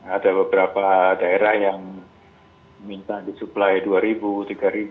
ada beberapa daerah yang minta disupply rp dua rp tiga